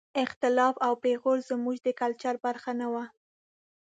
اختلاف او پېغور زموږ د کلچر برخه نه وه.